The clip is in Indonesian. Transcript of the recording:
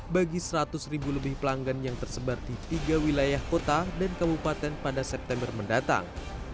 bagi seratus ribu lebih pelanggan yang tersebar di tiga wilayah kota dan kabupaten pada september mendatang